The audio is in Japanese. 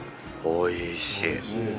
おいしい。